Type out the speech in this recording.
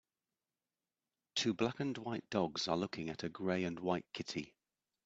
Two black and white dogs are looking at a gray and white kitty.